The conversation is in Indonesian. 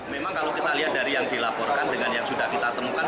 memang kalau kita lihat dari yang dilaporkan dengan yang sudah kita temukan